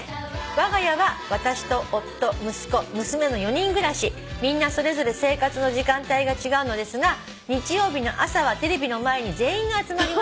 「わが家は私と夫息子娘の４人暮らし」「みんなそれぞれ生活の時間帯が違うのですが日曜日の朝はテレビの前に全員が集まります」